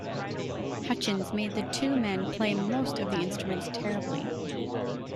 Hutchins made the two men play most of the instruments terribly.